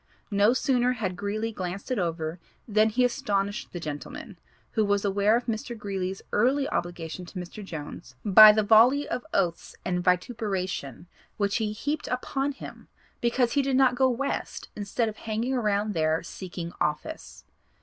No sooner had Greeley glanced it over than he astonished the gentleman, who was aware of Mr. Greeley's early obligation to Mr. Jones, by the volley of oaths and vituperation which he heaped upon him because he did not go West instead of hanging around there seeking office.